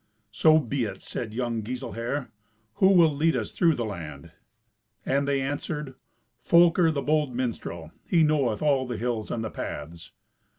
"So be it," said young Giselher. "Who will lead us through the land?" And they answered, "Folker, the bold minstrel; he knoweth all the hills and the paths."